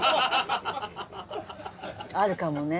あるかもね。